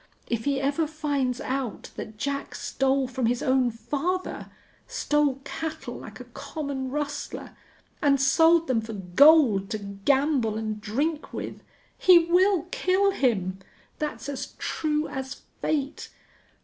If he ever finds out that Jack stole from his own father stole cattle like a common rustler, and sold them for gold to gamble and drink with he will kill him!... That's as true as fate....